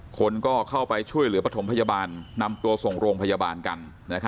คนก็เข้าไปช่วยเหลือปฐมพยาบาลนำตัวส่งโรงพยาบาลกัน